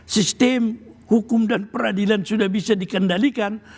sistem hukum dan peradilan sudah bisa dikendalikan